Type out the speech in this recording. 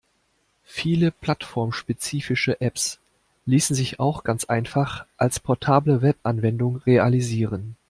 Viele plattformspezifische Apps ließen sich auch ganz einfach als portable Webanwendung realisieren.